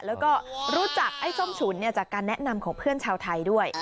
แล้วก็รู้จักไอ้ส้มฉุนจากการแนะนำของเพื่อนชาวไทยด้วย